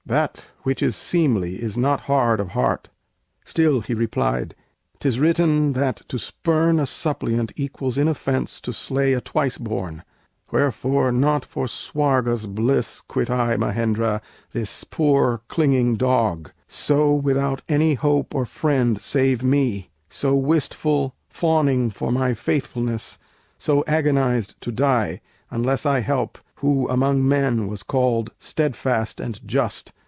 That which is seemly is not hard of heart." Still he replied: "Tis written that to spurn A suppliant equals in offense to slay A twice born; wherefore, not for Swarga's bliss Quit I, Mahendra, this poor clinging dog, So without any hope or friend save me, So wistful, fawning for my faithfulness; So agonized to die, unless I help Who among men was called steadfast and just."